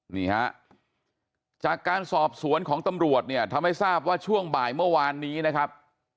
นี่ฮะจากการสอบสวนของตำรวจเนี่ยทำให้ทราบว่าช่วงบ่ายเมื่อวานนี้นะครับ